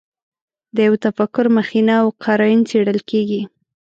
د یوه تفکر مخینه او قراین څېړل کېږي.